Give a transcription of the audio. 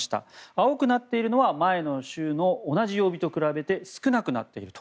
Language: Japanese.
青くなっているのは前の週の同じ曜日と比べて少なくなっていると。